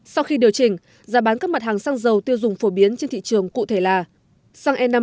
sau khi điều chỉnh giá bán các mặt hàng xăng dầu tiêu dùng phổ biến trên thị trường cụ thể là